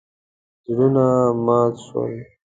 زړونه مات شول.